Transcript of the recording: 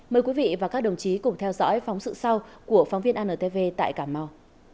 mời quý vị và các đồng chí cùng theo dõi phóng sự sau của phóng viên antv tại cà mau